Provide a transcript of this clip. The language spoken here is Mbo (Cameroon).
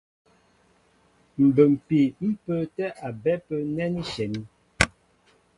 Mbə́mpii ḿ pə́ə́tɛ́ a bɛ́ ápə́ nɛ́ ní shyɛní.